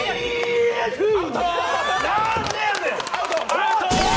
アウト！